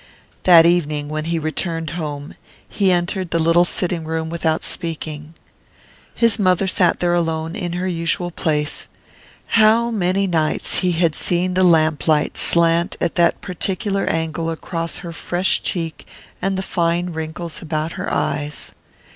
That evening, when he returned home, he entered the little sitting room without speaking. His mother sat there alone, in her usual place how many nights he had seen the lamplight slant at that particular angle across her fresh cheek and the fine wrinkles about her eyes!